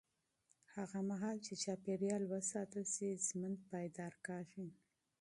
هغه مهال چې چاپېریال وساتل شي، ژوند پایدار کېږي.